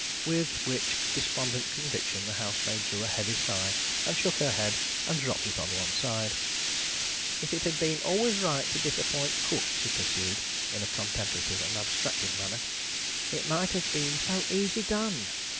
With which despondent conviction, the housemaid drew a heavy sigh, and shook her head, and dropped it on one side. "If it had been anyways right to disappoint Cook," she pursued, in a contemplative and abstracted manner, "it might have been so easy done!